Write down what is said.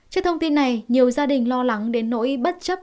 trước thông tin này nhiều gia đình lo lắng đến nỗi bất chấp